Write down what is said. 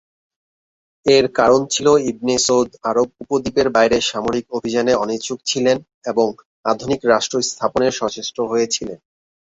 এর কারণ ছিল ইবনে সৌদ আরব উপদ্বীপের বাইরে সামরিক অভিযানে অনিচ্ছুক ছিলেন এবং আধুনিক রাষ্ট্র স্থাপনে সচেষ্ট হয়েছিলেন।